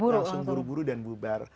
langsung buru buru dan bubar